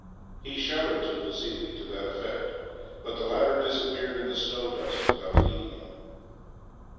He shouted to Vassili to that effect, but the latter disappeared in the snow dust without heeding him.